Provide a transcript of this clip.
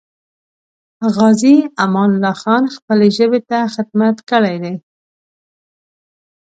غازي امان الله خان خپلې ژبې ته خدمت کړی دی.